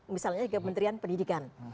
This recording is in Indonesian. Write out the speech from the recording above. misalnya kementerian pendidikan